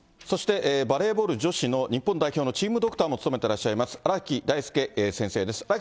そしてバレーボール女子の日本代表のチームドクターも務めてらっしゃいます、荒木大輔先生です。